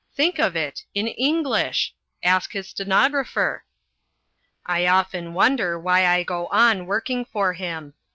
Think of it, in English! Ask his stenographer. I often wonder why I go on working for him.